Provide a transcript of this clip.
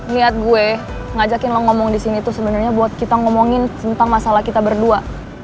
niat gue ngajakin lo ngomong disini tuh sebenernya buat kita ngomongin tentang masalah kita berdua